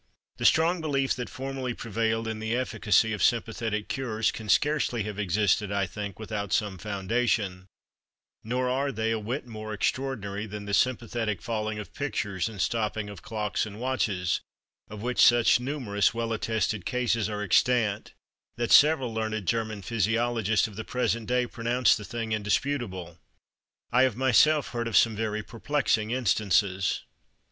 The strong belief that formerly prevailed in the efficacy of sympathetic cures, can scarcely have existed, I think, without some foundation: nor are they a whit more extraordinary than the sympathetic falling of pictures and stopping of clocks and watches, of which such numerous well attested cases are extant that several learned German physiologists of the present day pronounce the thing indisputable. I have myself heard of some very perplexing instances.